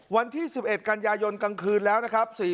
วันที่๑๑กันยายนกลางคืนแล้วนะครับ